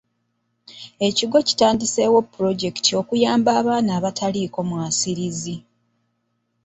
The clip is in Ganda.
Ekigo kitandiseewo pulojekiti okuyamba abaana abataliiko mwasirizi.